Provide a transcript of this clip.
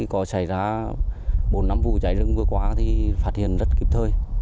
có xảy ra bốn năm vụ cháy rừng vừa qua thì phát hiện rất kịp thời